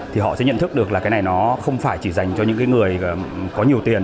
thì họ sẽ nhận thức được là cái này nó không phải chỉ dành cho những cái người có nhiều tiền